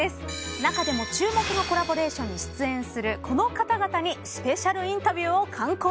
中でも注目のコラボレーションに出演するこの方々にスペシャルインタビューを敢行。